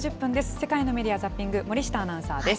世界のメディア・ザッピング、森下アナウンサーです。